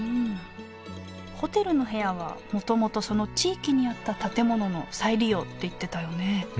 ホテルの部屋はもともとその地域にあった建物の再利用って言ってたよね